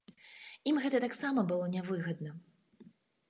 Ім гэта таксама было нявыгадна.